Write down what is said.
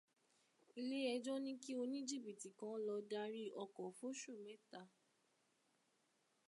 Iléẹjọ́ ní kí o ní jìbìtì kan lọ darí ọkọ̀ f'óṣù mẹ́ta.